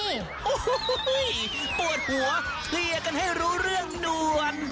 โอ้โหปวดหัวเคลียร์กันให้รู้เรื่องนวล